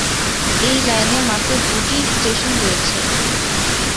এই লাইনে মাত্র দুটি স্টেশন রয়েছে।